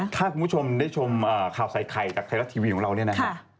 ถ้าคุณผู้ชมได้ชมข่าวใส่ไข่จากไทยรัฐทีวีของเราเนี่ยนะครับ